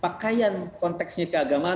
pakaian konteksnya keagamaan